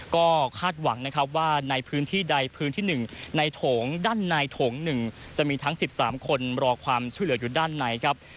ก็คาดหวังนะครับว่าในพื้นที่ใดพื้นที่๑ในโถงด้านในโถง๑จะมีทั้ง๑๓คนรอความช่วยเหลืออยู่ด้านในครับ